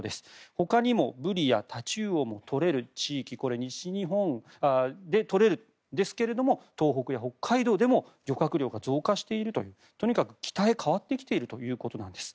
ほかにもブリやタチウオこれ、西日本で取れるんですが東北や北海道でも漁獲量が増加しているというとにかく北へ変わってきているということなんです。